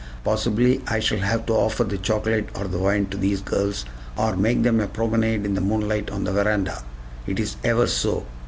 "Possibly, I shall have to offer the chocolate or the wine to thees girls, or make to them a promenade in the moonlight on the veranda. It is ever so.